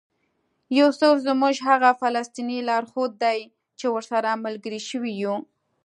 یوسف زموږ هغه فلسطینی لارښود دی چې ورسره ملګري شوي یو.